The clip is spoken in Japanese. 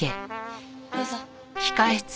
どうぞ。